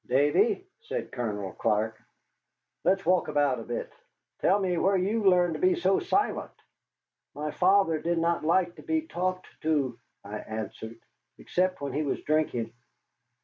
"Davy," said Colonel Clark, "let's walk about a bit. Tell me where you learned to be so silent?" "My father did not like to be talked to," I answered, "except when he was drinking."